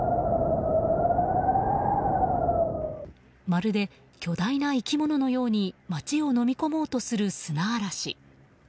まるで巨大な生き物のように街をのみ込もうとする砂嵐。